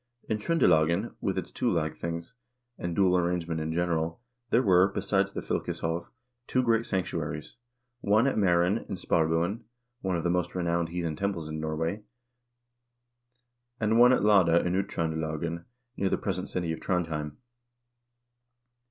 In Tr0nde lagen, with its two lagthings, and dual arrangement in general, there were, besides the fylkes hov, two great sanctuaries ; one at Mseren in Sparbuen, one of the most renowned heathen temples in Norway, and one at Lade in Uttr0ndelagen, near the present city of Trondhjem.